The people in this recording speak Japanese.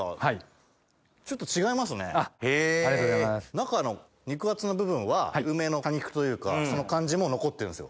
中の肉厚の部分は梅の果肉というかその感じも残ってるんですよ。